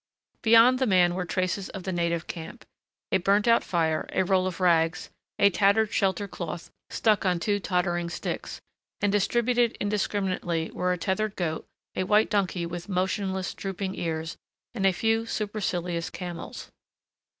Beyond the man were traces of the native camp, a burnt out fire, a roll of rags, a tattered shelter cloth stuck on two tottering sticks, and distributed indiscriminatingly were a tethered goat, a white donkey with motionless, drooping ears, and a few supercilious camels.